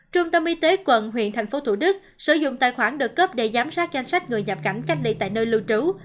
trung tâm y tế quận huyện tp thủ đức sử dụng tài khoản đợt cấp để giám sát danh sách người nhập cảnh cách ly tại nơi lưu trú